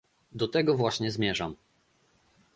Do tego właśnie zmierzam